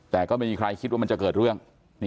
แต่ก็ไม่มีใครคิดว่ามันจะเกิดเรื่อง